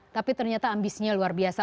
tapi ternyata ambisinya luar biasa